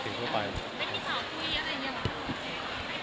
ไม่มีข่าวคุยอะไรอย่างนี้หรอ